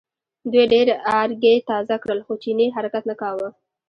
دوی ډېر ارګی تازه کړل خو چیني حرکت نه کاوه.